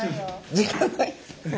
時間ない。